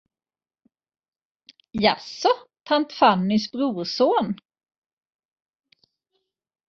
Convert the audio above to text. Jaså tant Fannys brorson?